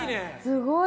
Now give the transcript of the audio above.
すごい。